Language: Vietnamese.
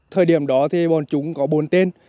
thời điểm đó thì bọn chúng có bốn tên